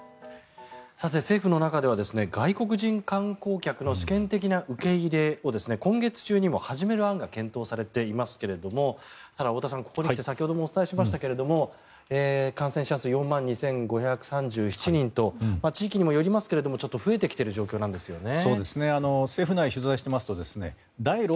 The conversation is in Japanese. さて、政府の中では外国人観光客の試験的な受け入れを今月中にも始める案が検討されていますが太田さん、ここに来て先ほどもお伝えしましたが感染者数、４万２５３７人と地域にもよりますが増えてきている状況なんですよね。